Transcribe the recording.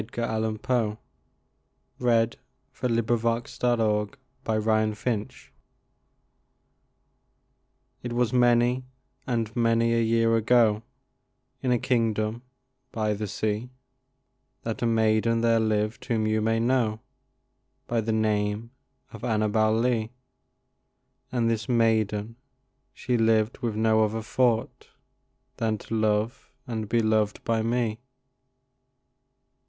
K L . M N . O P . Q R . S T . U V . W X . Y Z Annabel Lee IT was many and many a year ago In this kingdom by the sea That a maiden there lived whom you may know By the name of Annabel Lee; And this maiden she lived with no other thought Than to love and be loved by me.